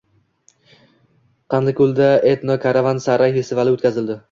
Qanliko‘lda “Etno Karavan Saray” festivali o‘tkazildi